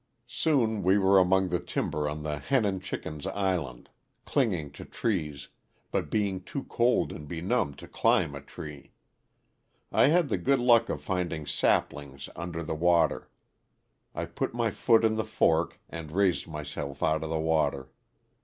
Soon we were among the timber on the "Hen and Chickens" island, clinging to trees, but being too cold and benumbed to climb a tree. I had the good luck of finding saplings under the water. I put my foot in the fork and raised myself out of the water.